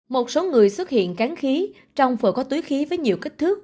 một số người xuất hiện cán khí trong phở có túi khí với nhiều kích thước